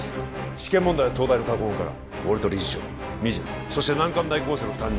試験問題は東大の過去問から俺と理事長水野そして難関大コースの担任